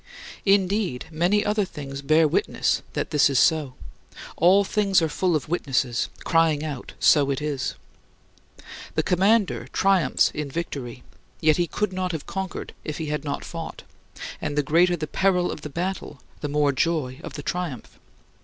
Indeed, many other things bear witness that this is so all things are full of witnesses, crying out, "So it is." The commander triumphs in victory; yet he could not have conquered if he had not fought; and the greater the peril of the battle, the more the joy of the triumph.